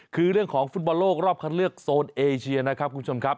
คือเรื่องของฟุตบอลโลกรอบคันเลือกโซนเอเชียนะครับคุณผู้ชมครับ